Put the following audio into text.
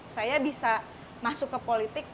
saya bisa masuk ke politik